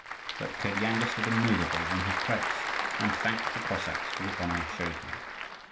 But Kirdyanga stood immovable in his place, and thanked the Cossacks for the honour shown him.